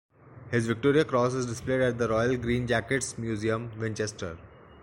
His Victoria Cross is displayed at the Royal Green Jackets Museum, Winchester.